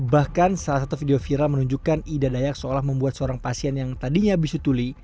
bahkan salah satu video viral menunjukkan ida dayak seolah membuat seorang pasien yang tadinya bisutuli